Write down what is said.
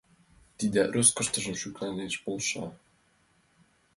Тидат роскотым шӱкалаш полша.